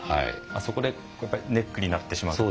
そこでネックになってしまう。